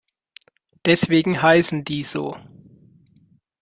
Deswegen heißen die so.